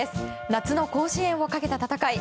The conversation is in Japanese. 夏の甲子園をかけた戦い。